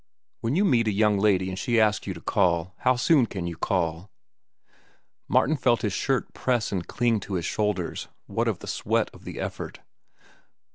"When you meet a young lady an' she asks you to call, how soon can you call?" Martin felt his shirt press and cling to his shoulders, what of the sweat of the effort.